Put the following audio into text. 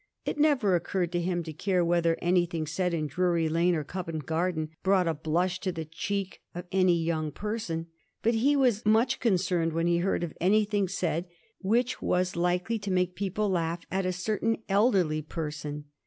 It never occurred to him to care whether any thing said in Drury Lane or Covent Garden brought a blush to the cheek of any young person; but he was much concerned when he heard of anything said there which was likely to make people laugh at a certain elderly person.